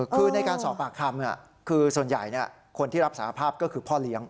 คือในการสอบปากคำคือส่วนใหญ่คนที่รับสาภาพก็คือพ่อเลี้ยง